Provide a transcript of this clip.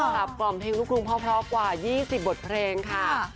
กล่อมเพลงลูกกรุงเพราะกว่า๒๐บทเพลงค่ะ